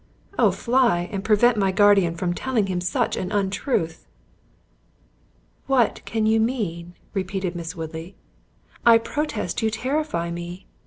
Oh fly, and prevent my guardian from telling him such an untruth." "What can you mean?" repeated Miss Woodley; "I protest you terrify me."